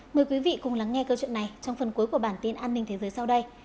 mời quý vị cùng lắng nghe câu chuyện này trong phần cuối của bản tin an ninh thế giới sau đây